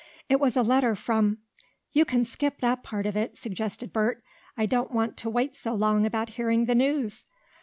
It was a letter from " "You can skip that part of it," suggested Bert. "I don't want to wait so long about hearing the news."